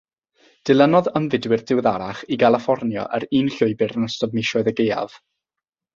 Dilynodd ymfudwyr diweddarach i Galiffornia yr un llwybr yn ystod misoedd y gaeaf.